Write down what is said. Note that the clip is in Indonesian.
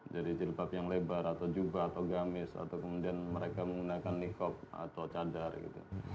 jadi cilbab yang lebar atau jubah atau gamis atau kemudian mereka menggunakan nikop atau cadar gitu